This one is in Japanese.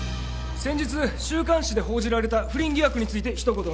先日週刊誌で報じられた不倫疑惑について一言お願いします。